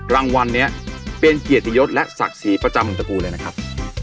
รางวัลนี้เป็นเกียรติยศและศักดิ์ศรีประจำตระกูลเลยนะครับ